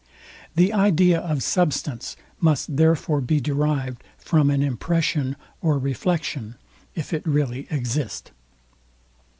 The idea, of substance must therefore be derived from an impression of reflection, if it really exist.